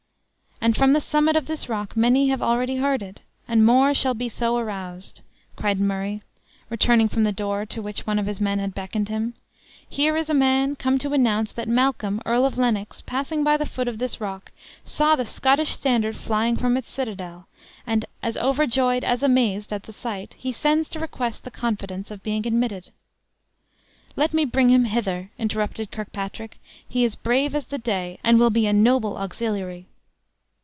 "And from the summit of this rock many have already heard it; and more shall be so aroused!" cried Murray, returning from the door, to which one of his men had beckoned him; "here is a man come to announce that Malcolm, Earl of Lennox, passing by the foot of this rock, saw the Scottish standard flying from its citadel; and, as overjoyed as amazed at the sight, he sends to request the confidence of being admitted." "Let me bring him hither!" interrupted Kirkpatrick; "he is brave as the day, and will be a noble auxiliary."